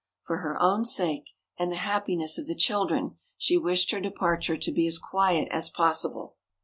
For her own sake and the happiness of the children she wished her departure to be as quiet as possible.